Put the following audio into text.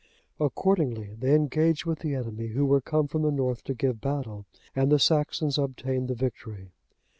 Accordingly they engaged with the enemy, who were come from the north to give battle, and the Saxons obtained the victory.